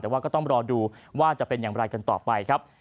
แต่ว่าก็ต้องรอดูว่าจะเป็นอย่างไรกันต่อไปครับ